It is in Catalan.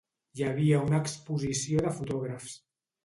Hi havia una exposició de fotògrafs.